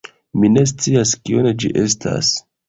Mi ne scias kio ĝi estas.